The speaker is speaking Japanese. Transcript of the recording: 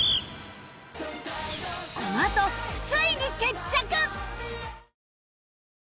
このあとついに決着！